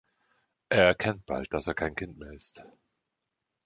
Er erkennt bald, dass er kein Kind mehr ist.